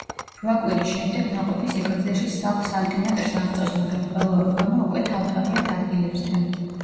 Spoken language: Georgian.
რვა კვირის შემდეგ ნაყოფი სიგრძეში სამ სანტიმეტრს აღწევს, მაგრამ ყველა ორგანო უკვე თავ-თავიანთ ადგილებზეა.